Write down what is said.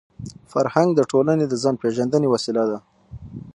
فرهنګ د ټولني د ځان پېژندني وسیله ده.